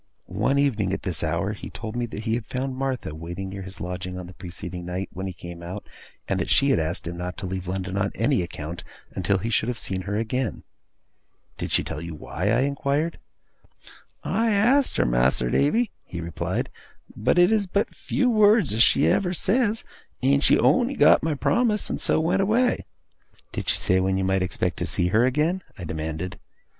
One evening, at this hour, he told me that he had found Martha waiting near his lodging on the preceding night when he came out, and that she had asked him not to leave London on any account, until he should have seen her again. 'Did she tell you why?' I inquired. 'I asked her, Mas'r Davy,' he replied, 'but it is but few words as she ever says, and she on'y got my promise and so went away.' 'Did she say when you might expect to see her again?' I demanded.